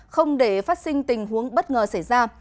không để phát sinh tình huống bất ngờ xảy ra